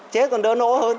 chết còn đỡ nỗ hơn